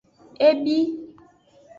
E bi.